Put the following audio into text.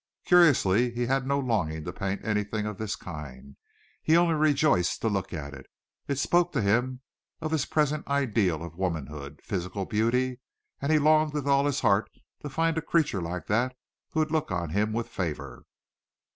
Curiously he had no longing to paint anything of this kind. He only rejoiced to look at it. It spoke to him of his present ideal of womanhood physical beauty, and he longed with all his heart to find a creature like that who would look on him with favor.